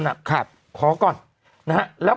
ขอก่อนนะแล้วก็ต้องฉีดทุกท่านครับ